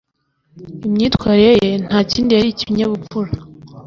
imyitwarire ye ntakindi yari ikinyabupfura